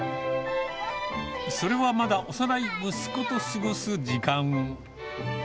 それはまだ幼い息子と過ごす時間。